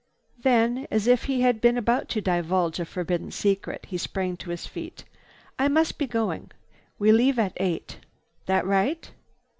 Then, as if he had been about to divulge a forbidden secret, he sprang to his feet. "I must be going. We leave at eight. That right?"